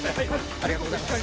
ありがとうございます